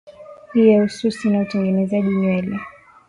hii ya ususi na utengenezaji nywele